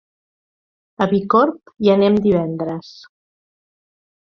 A Bicorb hi anem divendres.